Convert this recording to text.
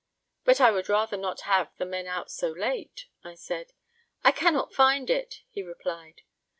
"But I would rather not have the men out so late," I said. "I cannot find it," he replied.